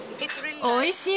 おいしい。